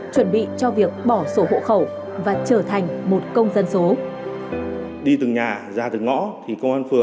chuẩn bị cho việc bỏ sổ hộ khẩu và trở thành một công dân số